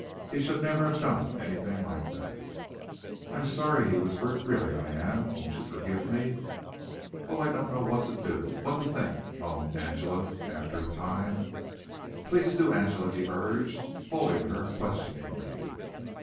He should never have done anything like that. "I'm sorry," he whispered, "really I am. Won't you forgive me?" "Oh, I don't know what to do! what to think!" moaned Angela after a time. "Please do, Angela," he urged, holding her questioningly.